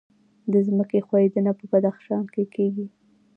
د ځمکې ښویدنه په بدخشان کې کیږي